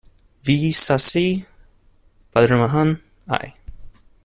V. Sasi, Padmarajan-I.